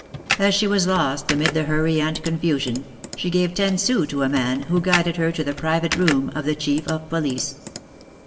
As she was lost amid the hurry and confusion, she gave ten sous to a man, who guided her to the private room of the Chief of Police.